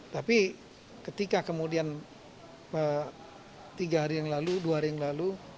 tapi ketika kemudian tiga hari yang lalu dua hari yang lalu